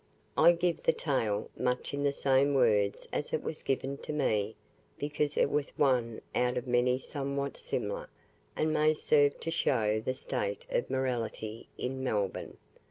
I give the tale, much in the same words as it was given to me, because it was one out of many somewhat similar, and may serve to show the state of morality in Melbourne.